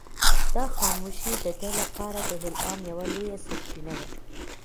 دا خاموشي د ده لپاره د الهام یوه لویه سرچینه وه.